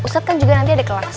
pusat kan juga nanti ada kelas